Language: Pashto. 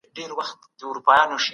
تاسو څنګه خپل وطن ته ګټه رسولای سئ؟